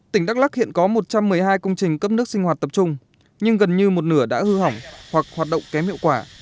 tỉnh đắk lắc hiện có một trăm một mươi hai công trình cấp nước sinh hoạt tập trung nhưng gần như một nửa đã hư hỏng hoặc hoạt động kém hiệu quả